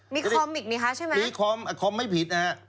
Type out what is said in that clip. มีคอมอีกไหมคะใช่ไหมมีคอมคอมไม่ผิดนะฮะ